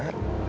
iya oleh bapak